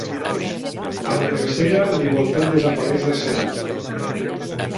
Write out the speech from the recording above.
A la tercera la igualtat desapareix d'escena.